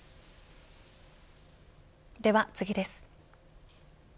では次です。